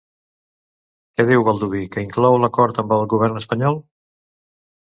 Què diu Baldoví que inclou l'acord amb el govern espanyol?